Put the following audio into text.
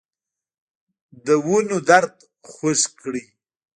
دونو درد خوږ کړی